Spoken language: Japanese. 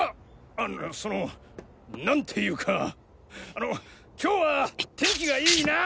あのその何て言うかあの今日は天気がいいなぁ。